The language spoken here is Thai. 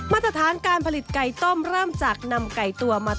มาตรฐานการผลิตไก่ต้มเริ่มจากนำไก่ตัวมา